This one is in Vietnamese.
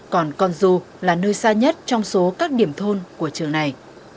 còn con du là nơi xa nhất trong số các điểm thôn của trường này